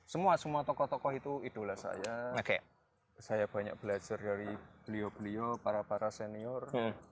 semua semua tokoh tokoh itu idola saya saya banyak belajar dari beliau beliau para para senior